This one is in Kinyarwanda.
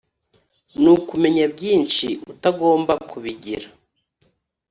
nukumenya byinshi utagomba kubigira,